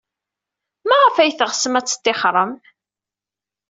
Maɣef ay teɣsem ad tettixrem?